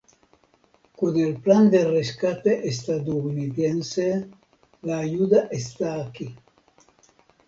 Con el Plan de Rescate Estadounidense, la ayuda está aquí